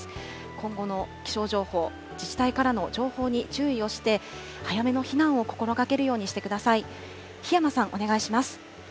今後の気象情報、自治体からの情報に注意をして、早めの避難を心がけるようにしてください。